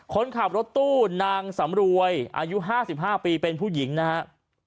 คนขับรถตู้นางสำรวยอายุ๕๕ปีเป็นผู้หญิงนะครับ